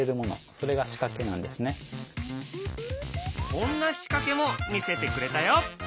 こんな仕掛けも見せてくれたよ。